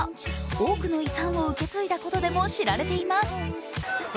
多くの遺産を受け継いだことでも知られています。